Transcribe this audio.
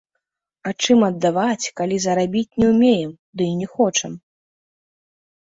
А чым аддаваць, калі зарабіць не ўмеем, дый не хочам?